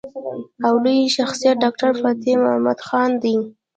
او لوئ شخصيت ډاکټر فتح مند خان دے ۔